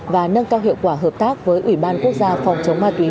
và nâng cao hiệu quả hợp tác với ủy ban quốc gia phòng chống ma túy